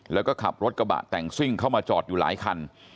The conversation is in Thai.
แล้วก็ขับรถกระบะแต่งซิ่งเข้ามาจอดอยู่หลายคัน